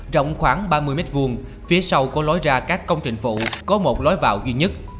rộng khoảng ba mươi m hai phía sau của lối ra các công trình phụ có một lối vào duy nhất